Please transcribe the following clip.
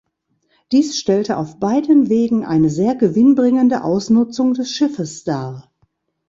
Dies stellte auf beiden Wegen eine sehr gewinnbringende Ausnutzung des Schiffes dar.